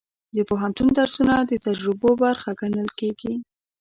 د پوهنتون درسونه د تجربو برخه ګڼل کېږي.